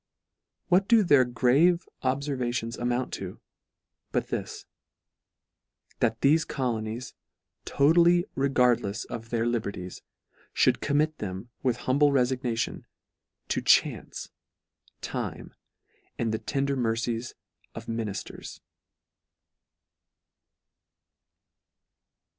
What do their grave obfervations amount to, but this —" that thefe colonies, totally regardlefs of their liberties, mould commit them, with humble reiignation, to chance, time, and the tender mercies of minijlers."